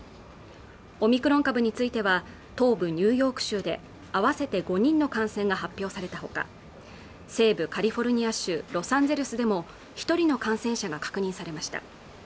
オミクロン株については東部ニューヨーク州で合わせて５人の感染が発表されたほか西部カリフォルニア州ロサンゼルスでも一人の感染者が確認されました